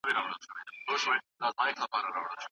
دا دریاب دی موږ ته پاته دي مزلونه